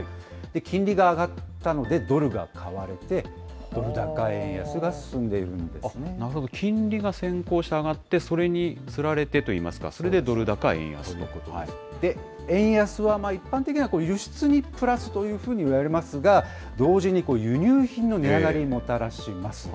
金利が上がったので、ドルが買われて、ドル高円安が進んでいるんなるほど、金利が先行して上がって、それにつられてといいますか、円安は一般的には輸出にプラスというふうにいわれますが、同時に輸入品の値上がりをもたらします。